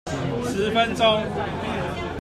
十分鐘